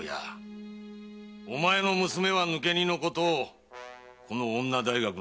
お前の娘は抜け荷のことをこの女大学の先生に密告した。